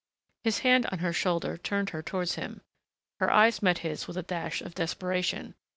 His hand on her shoulder turned her towards him. Her eyes met his with a dash of desperation....